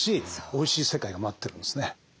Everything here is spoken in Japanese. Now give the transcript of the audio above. おいしい世界が待ってるんですね。